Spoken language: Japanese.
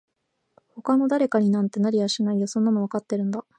他の誰かになんてなれやしないよそんなのわかってるんだ